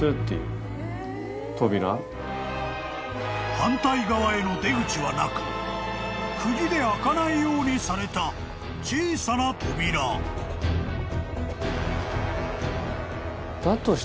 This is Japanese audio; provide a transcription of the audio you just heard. ［反対側への出口はなく釘で開かないようにされた小さな扉］えっ？